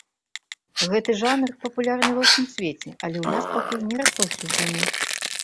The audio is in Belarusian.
Гэты жанр папулярны ва ўсім свеце, але ў нас пакуль не распаўсюджаны.